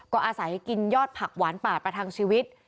ก็อาศัยกินยอดผักหวานป่าประทังชีวิต